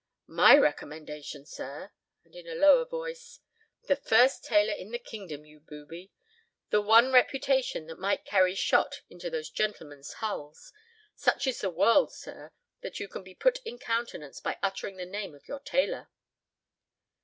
"My recommendation, sir." And in a lower voice: "The first tailor in the kingdom, you booby; the one reputation that might carry shot into those gentlemen's hulls. Such is the world, sir, that you can be put in countenance by uttering the name of your tailor."